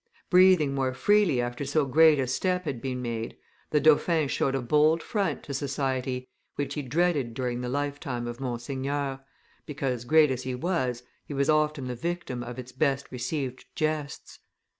Breathing more freely after so great a step had been made, the dauphin showed a bold front to society, which he dreaded during the lifetime of Monseigneur, because, great as he was, he was often the victim of its best received jests.